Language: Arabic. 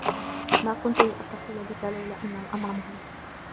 ما كنت لأتصل بك لولا أن الأمر مهم.